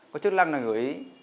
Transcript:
có chức năng là gửi